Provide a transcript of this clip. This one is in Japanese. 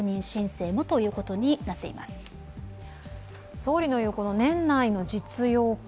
総理の言う年内の実用化